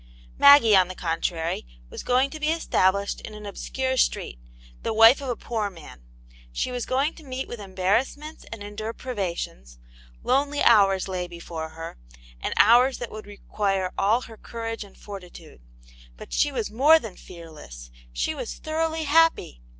Maggie, on the contrary, was going to be esta blished in an obscure street, the wife of a poor man ; she was going to meet with embarrassments and endure privations ; lonely hours lay before her, and hours * that would require all her courage and forti tude. But she was more than fearless; she was thoroughly happy.